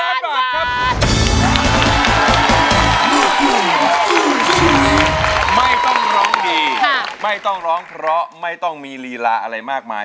ไม่ต้องร้องดีไม่ต้องร้องเพราะไม่ต้องมีลีลาอะไรมากมาย